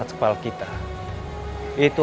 hancurkan pasukan daniman